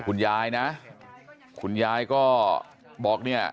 คุณยายนะคุณยายก็บอกเนี่ย